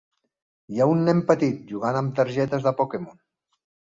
Hi ha un nen petit, jugant amb targetes de Pokémon.